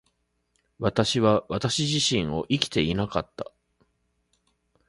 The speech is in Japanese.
私は私自身を生きていなかった。